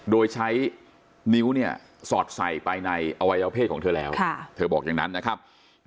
โดยใช้นิ้วเนี่ยสอดใส่ไปในอวัยวเพศของเธอแล้วเธอบอกอย่างนั้นนะครับ